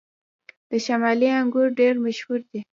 د شمالي انګور ډیر مشهور دي